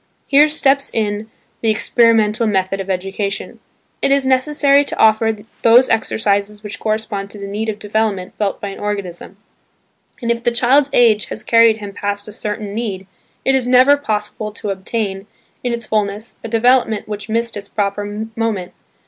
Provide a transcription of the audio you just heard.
Here steps in the experimental method of education. It is necessary to offer those exercises which correspond to the need of development felt by an organism, and if the child's age has carried him past a certain need, it is never possible to obtain, in its fulness, a development which missed its proper moment.